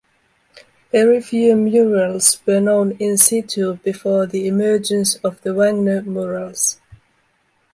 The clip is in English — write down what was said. Very few murals were known "in situ" before the emergence of the Wagner Murals.